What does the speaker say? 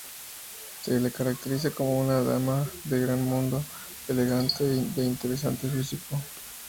Se le caracteriza como una dama de gran mundo, elegante y de interesante físico.